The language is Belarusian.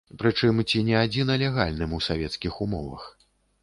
Прычым, ці не адзіна легальным у савецкіх умовах.